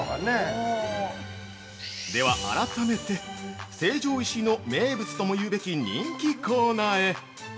◆では改めて、成城石井の名物ともいうべき人気コーナーへ。